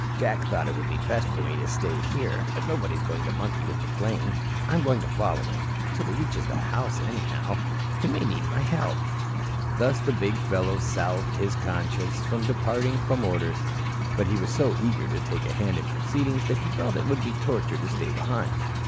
"Jack thought it would be best for me to stay here, but nobody's going to monkey with the plane. I'm going to follow him till he reaches the house, anyhow. He may need my help." Thus the big fellow salved his conscience for departing from orders. But he was so eager to take a hand in proceedings that he felt it would be torture to stay behind.